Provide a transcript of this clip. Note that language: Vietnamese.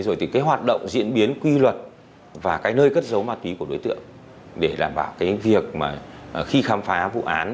rồi thì cái hoạt động diễn biến quy luật và cái nơi cất dấu ma túy của đối tượng để đảm bảo cái việc mà khi khám phá vụ án